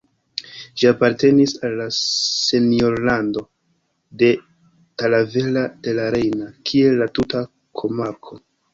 Ĝi apartenis al la senjorlando de Talavera de la Reina, kiel la tuta komarko.